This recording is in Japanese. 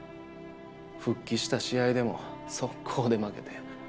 復帰した試合でもそっこうで負けて。